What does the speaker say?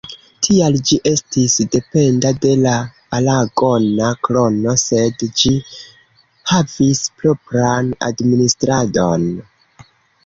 Tial ĝi estis dependa de la aragona krono sed ĝi havis propran administradon.